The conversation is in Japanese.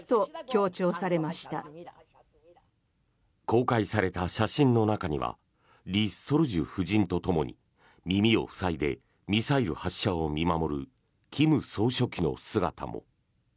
公開された写真の中には李雪主夫人とともに耳を塞いでミサイル発射を見守る金総書記の姿も。